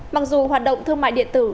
mặc dù hoạt động thương mại điện tử